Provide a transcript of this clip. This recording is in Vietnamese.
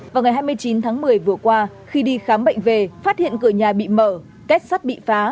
vào ngày hai mươi chín tháng một mươi vừa qua khi đi khám bệnh về phát hiện cửa nhà bị mở kết sắt bị phá